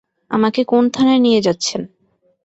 আমাকে কোন থানায় নিয়ে যাচ্ছেন?